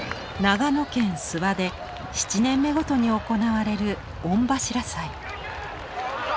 長野県諏訪で７年目ごとに行われる御柱祭。